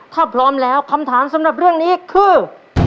ถ้าพร้อมแล้วคำถามสำหรับเรื่องนี้คือ